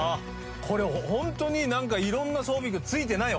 これホントに何かいろんな装備がついてない。